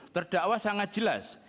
terdakwa sangat jelas